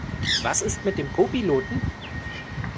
Was ist mit dem Co-Piloten?